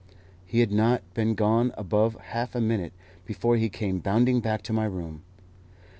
He had not been gone above half a minute before he came bounding back to my room.